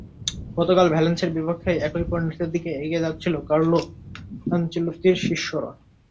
গতকাল ভ্যালেন্সিয়ার বিপক্ষেও একই পরিণতির দিকেই এগিয়ে যাচ্ছিলেন কার্লো আনচেলত্তির শিষ্যরা।